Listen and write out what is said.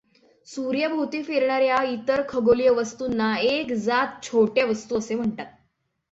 सूर्याभोवती फिरणार् या इतर खगोलीय वस्तूंना एकजात छोट्या वस्तू असे म्हणतात.